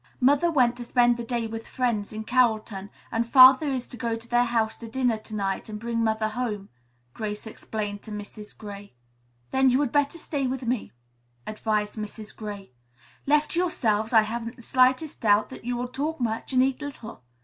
Mother went to spend the day with friends in Carrollton, and Father is to go to their house to dinner to night and bring Mother home," Grace explained to Mrs. Gray. "Then you had better stay with me," advised Mrs. Gray. "Left to yourselves I haven't the slightest doubt that you will talk much and eat little.